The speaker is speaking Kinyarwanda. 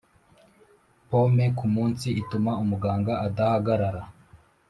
pome kumunsi ituma umuganga adahagarara